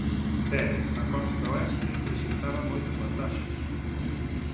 Pero a Costa Oeste presentaba moitas vantaxes.